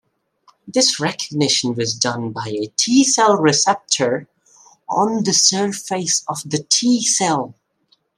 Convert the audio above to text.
This recognition was done by a T-cell receptor on the surface of the T-cell.